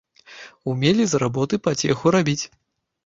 Умелі з работы пацеху рабіць.